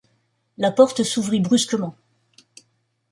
La porte s’ouvrit brusquement.